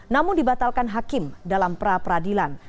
namun dibatalkan hakim dalam pra peradilan